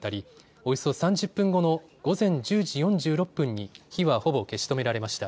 およそ３０分後の午前１０時４６分に火はほぼ消し止められました。